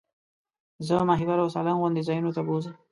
زه ماهیپر او سالنګ غوندې ځایونو ته بوځئ.